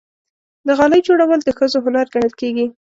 د غالۍ جوړول د ښځو هنر ګڼل کېږي.